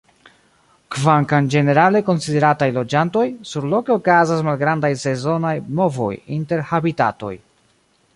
Kvankam ĝenerale konsiderataj loĝantoj, surloke okazas malgrandaj sezonaj movoj inter habitatoj.